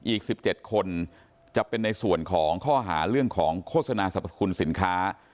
อีก๑๗คนจะเป็นในส่วนของข้อหาเรื่องของโฆษณาสรรพคุณสินค้า